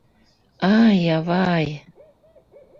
— Ай, авай!